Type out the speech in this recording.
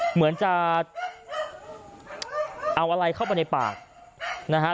เหมือนจะเอาอะไรเข้าไปในปากนะฮะ